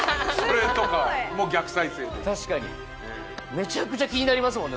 めちゃくちゃ気になりますもんね。